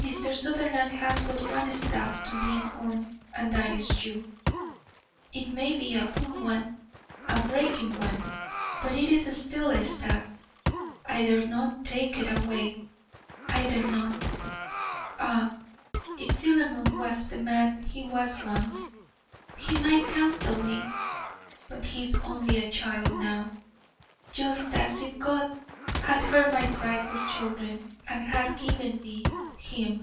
Mr. Sutherland has but one staff to lean on, and that is you. It may be a poor one, a breaking one, but it is still a staff. I dare not take it away I dare not. Ah, if Philemon was the man he was once, he might counsel me, but he is only a child now; just as if God had heard my cry for children and had given me HIM.